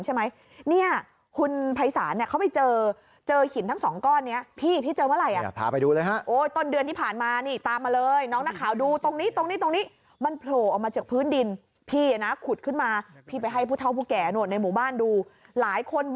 โห้มาก่อนพื้นที่ตรงนั้นนะ